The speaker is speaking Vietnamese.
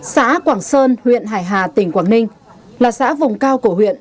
xã quảng sơn huyện hải hà tỉnh quảng ninh là xã vùng cao của huyện